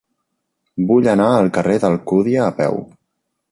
Vull anar al carrer d'Alcúdia a peu.